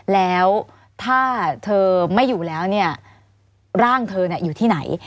แล้วถ้าเธอไม่อยู่แล้วเนี่ยร่างเธออยู่ที่ไหน